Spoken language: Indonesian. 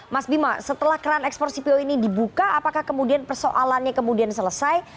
mas bima setelah keran ekspor cpo ini dibuka apakah kemudian persoalannya kemudian selesai